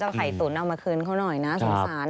ไข่ตุ๋นเอามาคืนเขาหน่อยนะสงสาร